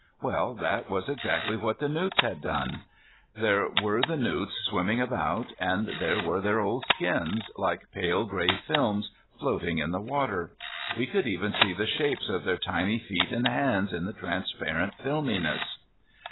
Well, that was exactly what the newts had done. There were the newts swimming about, and there were their old skins, like pale, grey films, floating in the water. We could even see the shapes of their tiny feet and hands in the transparent filminesses.